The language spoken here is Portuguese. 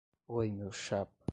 Oi, meu chapa